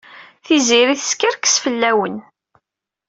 Tiziri teskerkes fell-awen.